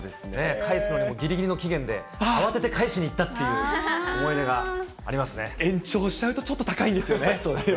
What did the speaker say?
返すのにもぎりぎりの期限で慌てて返しに行ったっていう思い出が延長しちゃうとちょっと高いんですよね。